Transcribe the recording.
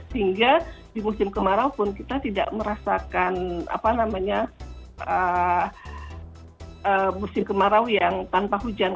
sehingga di musim kemarau pun kita tidak merasakan musim kemarau yang tanpa hujan